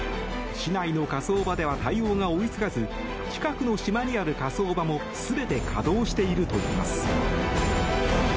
市内の火葬場では対応が追いつかず近くの島にある火葬場も全て稼働しているといいます。